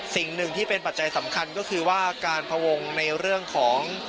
สิ่งหนึ่งที่เป็นปัจจัยสำคัญก็คือว่าการพวงในเรื่องของ